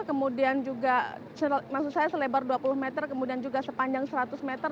selebar dua puluh meter kemudian juga sepanjang seratus meter